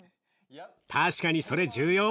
確かにそれ重要。